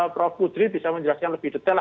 prof putri bisa menjelaskan lebih detail